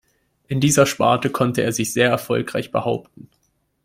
In dieser Sparte konnte er sich sehr erfolgreich behaupten.